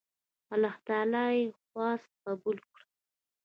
الله تعالی یې خواست قبول کړ.